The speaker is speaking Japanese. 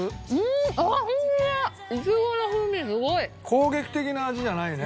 攻撃的な味じゃないね